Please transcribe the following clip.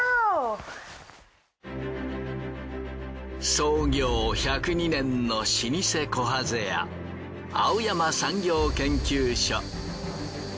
創業１０２年の老舗こはぜ屋青山産業研究所。